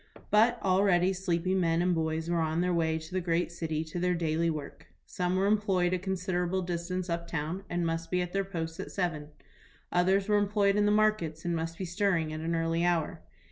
But already sleepy men and boys were on their way to the great city to their daily work. Some were employed a considerable distance up town, and must be at their posts at seven. Others were employed in the markets and must be stirring at an early hour.